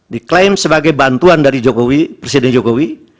diklaim sebagai bantuan dari jokowi presiden jokowi